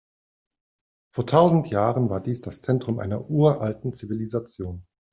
Vor tausend Jahren war dies das Zentrum einer uralten Zivilisation.